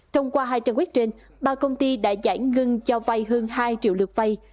thông qua hai trang web trên ba công ty đã giải ngưng cho vai hơn hai triệu lượt vai